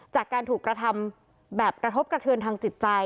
จากการถูกกระทำแบบกระทบกระเทือนทางจิตใจ